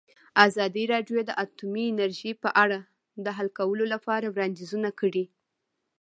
ازادي راډیو د اټومي انرژي په اړه د حل کولو لپاره وړاندیزونه کړي.